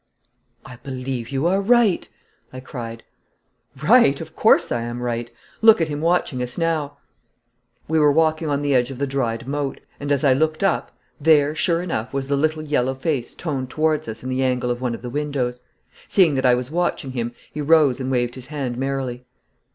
'I believe you are right!' I cried. 'Right! Of course I am right! Look at him watching us now.' We were walking on the edge of the dried moat, and as I looked up there, sure enough, was the little yellow face toned towards us in the angle of one of the windows. Seeing that I was watching him, he rose and waved his hand merrily.